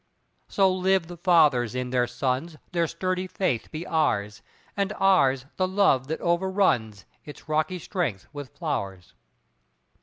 So live the fathers in their sons, Their sturdy faith be ours, And ours the love that overruns Its rocky strength with flowers.